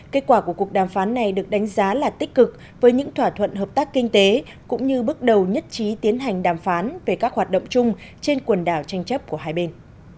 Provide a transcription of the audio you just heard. kết quả của cuộc đàm phán này được đánh giá là tích cực với những thỏa thuận hợp tác kinh tế cũng như bước đầu nhất trí tiến hành đàm phán về các hoạt động chung trên quần đảo tranh chấp của hai bên